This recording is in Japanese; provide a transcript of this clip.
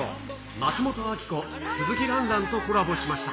松本明子、鈴木蘭々とコラボしました。